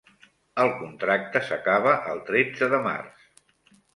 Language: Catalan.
El contracte s'acaba el tretze de març.